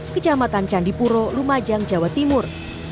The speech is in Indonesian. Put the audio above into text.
kecamatan candipuro lumajang jawa timur